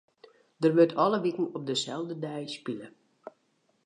Der wurdt alle wiken op deselde dei spile.